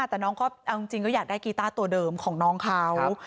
แต่น้องก็เอาจริงก็อยากได้กีต้าตัวเดิมของน้องเขา